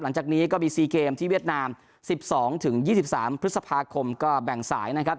หลังจากนี้ก็มี๔เกมที่เวียดนาม๑๒๒๓พฤษภาคมก็แบ่งสายนะครับ